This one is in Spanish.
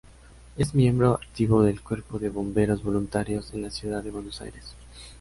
Es miembro activo del cuerpo de bomberos voluntarios en la ciudad de Buenos Aires.